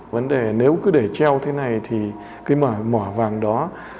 vấn đề nếu cứ để treo thế này thì cái mỏ vàng đó